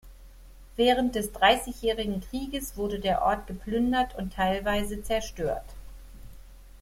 Während des Dreißigjährigen Krieges wurde der Ort geplündert und teilweise zerstört.